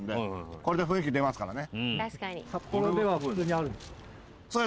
これで雰囲気出ますからね。